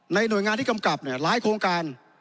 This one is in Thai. หน่วยงานที่กำกับหลายโครงการ